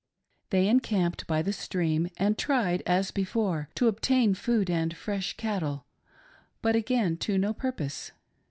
They encamped by the stream, and tried, as before, to obtain food and fresh cattle, but again to no purpose.